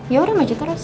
yaudah maju terus